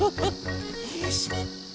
よいしょ。